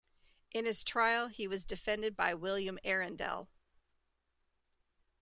In his trial he was defended by William Arrindell.